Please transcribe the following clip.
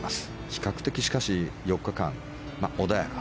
比較的、しかし４日間穏やか。